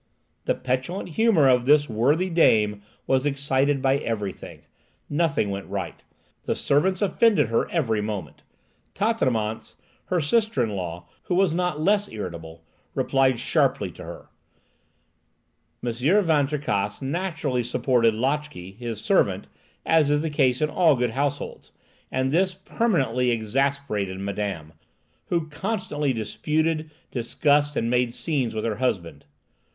The petulant humour of this worthy dame was excited by everything. Nothing went right. The servants offended her every moment. Tatanémance, her sister in law, who was not less irritable, replied sharply to her. M. Van Tricasse naturally supported Lotchè, his servant, as is the case in all good households; and this permanently exasperated Madame, who constantly disputed, discussed, and made scenes with her husband.